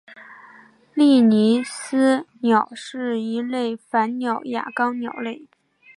利尼斯鸟是一类反鸟亚纲鸟类。